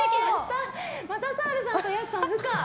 また澤部さんとやすさん、不可。